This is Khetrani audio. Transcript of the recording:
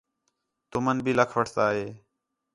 تُمن بھی لَکھ وَٹھتا ہِے